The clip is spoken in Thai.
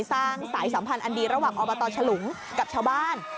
สายสัมพันธ์อันดีระหว่างอบตฉลุงกับชาวบ้าน